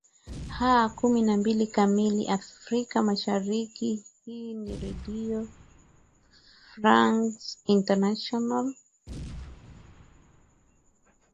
aa kumi na mbili kamili afrika mashariki hii ni redio france international